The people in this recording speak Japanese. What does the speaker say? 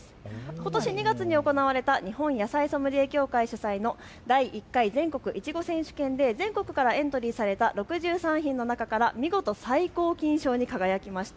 ことし２月に行われた日本野菜ソムリエ協会主催の第１回全国いちご選手権で全国からエントリーされた６３品の中から見事最高金賞に輝きました。